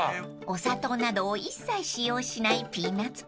［お砂糖などを一切使用しない］